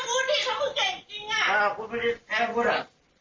มึงจะใช้อาวุธที่เขาเพิ่งเก่งจริงอ่ะอ่าคุณผู้ชายคุณพูดอ่ะ